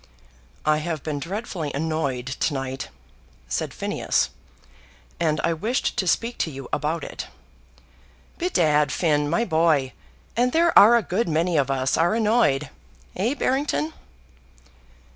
"I have been dreadfully annoyed to night," said Phineas, "and I wished to speak to you about it." "Bedad, Finn, my boy, and there are a good many of us are annoyed; eh, Barrington?"